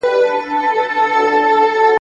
الوتکه به تر ډیره وخته په هوا کې وي.